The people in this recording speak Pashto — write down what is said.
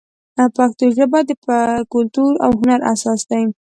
پښتو ژبه د کلتور او هنر اساس دی.